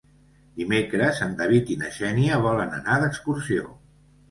Dimecres en David i na Xènia volen anar d'excursió.